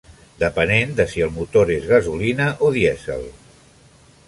Depenent de si el motor és gasolina o dièsel.